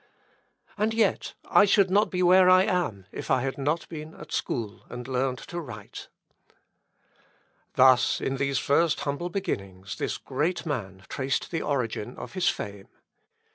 And yet, I should not be where I am, if I had not been at school and learned to write." Thus, in these first humble beginnings this great man traced the origin of his fame.